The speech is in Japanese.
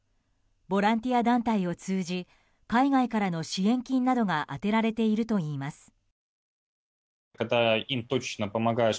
ボランティア団体を通じ海外からの支援金などが充てられているといいます。